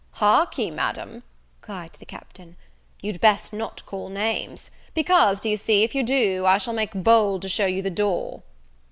"Hark ye, Madam," cried the Captain, "you'd best not call names; because, d'ye see, if you do, I shall make bold to shew you the door."